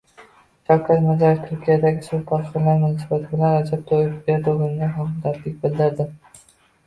Shavkat Mirziyoyev Turkiyadagi suv toshqinlari munosabati bilan Rajab Toyyib Erdo‘g‘onga hamdardlik bildirdi